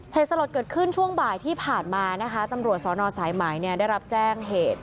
สลดเกิดขึ้นช่วงบ่ายที่ผ่านมานะคะตำรวจสอนอสายไหมเนี่ยได้รับแจ้งเหตุ